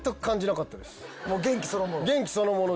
元気そのもの？